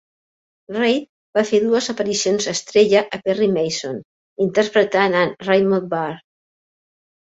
Reid va fer dues aparicions estrella a "Perry Mason" interpretant en Raymond Burr.